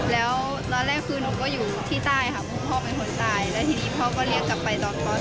แล้วตอนแรกคือหนูก็อยู่ที่ใต้ค่ะพ่อเป็นคนใต้